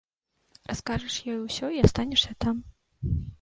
Раскажаш ёй усё і астанешся там.